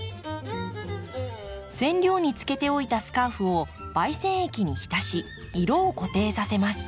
染料につけておいたスカーフを媒染液に浸し色を固定させます。